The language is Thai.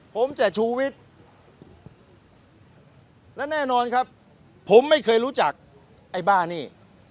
ผมจะชูวิทย์และแน่นอนครับผมไม่เคยรู้จักไอ้บ้านี่